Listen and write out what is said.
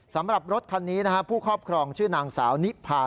สำหรับรถคันนี้นะฮะผู้ครอบครองชื่อนางสาวนิพา